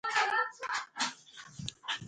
د پښتو او غیرت نښې دي.